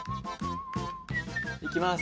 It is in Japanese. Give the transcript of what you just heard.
いきます。